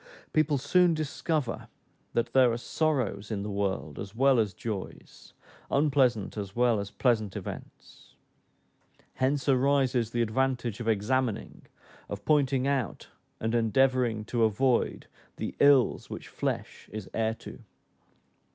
People soon discover that there are sorrows in the world as well as joys, unpleasant as well as pleasant events; hence arises the advantage of examining, of pointing out, and endeavoring to avoid "the ills which flesh is heir to."